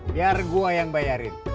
biar gua yang bayarin